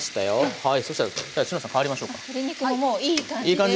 はい。